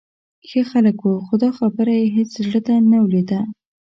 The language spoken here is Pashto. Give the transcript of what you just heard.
ښه خلک و، خو دا خبره یې هېڅ زړه ته نه لوېده.